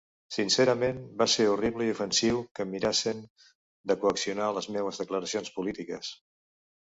Sincerament, va ser horrible i ofensiu que mirassen de coaccionar les meues declaracions polítiques.